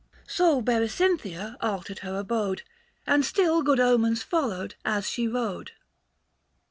" So Berecynthia altered her abode, And still good omens followed as she rode."